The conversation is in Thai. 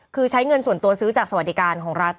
คือใช้เงินส่วนตัวซื้อจากสวัสดิการของรัฐ